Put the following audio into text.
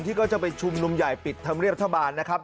ก็จะไปชุมนุมใหญ่ปิดธรรมเนียบรัฐบาลนะครับ